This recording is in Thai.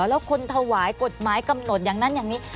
แล้วคนถวายกฎหมายกำหนดอย่างนั้นอย่างนี้